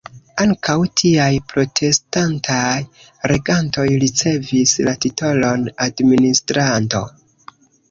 Ankaŭ tiaj protestantaj regantoj ricevis la titolon "administranto".